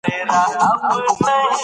افغانانو تل د خپلې خاورې دفاع کړې ده.